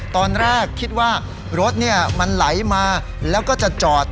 ตอนแรกคิดว่ารถมันไหลมาแล้วก็จะจอด